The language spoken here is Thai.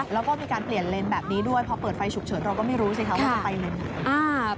แล้วก็มีการเปลี่ยนเลนส์แบบนี้ด้วยพอเปิดไฟฉุกเฉินเราก็ไม่รู้สิคะว่าจะไปเลนไหน